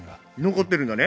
残ってるんだね。